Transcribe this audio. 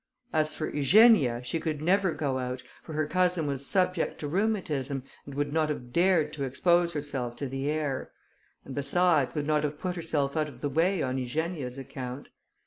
As for Eugenia, she could never go out, for her cousin was subject to rheumatism, and would not have dared to expose herself to the air; and, besides, would not have put herself out of the way on Eugenia's account.